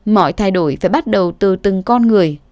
mọi thay đổi phải bắt đầu từ từng con người